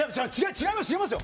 違いますよ